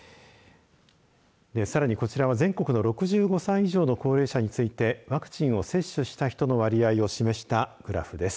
さらにこちらは全国の６５歳以上の高齢者についてワクチンを接種した人の割合を示したグラフです。